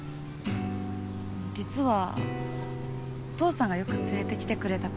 実はお父さんがよく連れてきてくれた公園で。